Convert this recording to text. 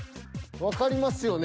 わかりますよね。